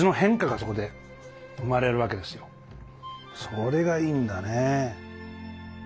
それがいいんだね。